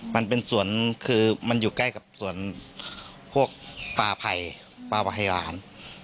มันเป็นสวนคือมันอยู่ใกล้กับสวนพวกปลาไผ่ปลาวาไฮราณ